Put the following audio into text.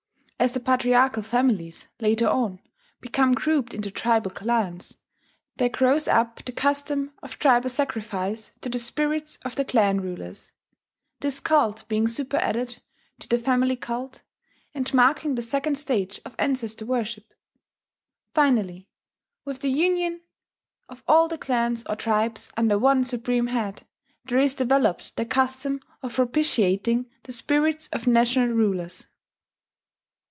As the patriarchal families, later on, become grouped into tribal clans, there grows up the custom of tribal sacrifice to the spirits of the clan rulers; this cult being superadded to the family cult, and marking the second stage of ancestor worship. Finally, with the union of all the clans or tribes under one supreme head, there is developed the custom of propitiating the spirits of national, rulers.